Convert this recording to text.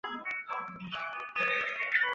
院长是于博泽。